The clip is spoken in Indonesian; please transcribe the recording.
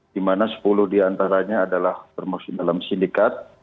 dimana sepuluh diantaranya adalah termasuk dalam sindikat